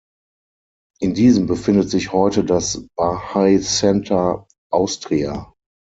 In diesem befindet sich heute das Bahai Center Austria.